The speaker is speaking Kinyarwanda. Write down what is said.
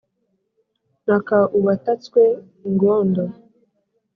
Ntaka uwatatswe ingondo